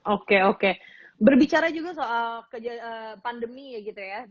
oke oke berbicara juga soal pandemi ya gitu ya